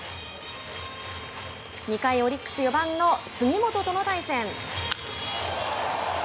２回、オリックス４番の杉本との対戦。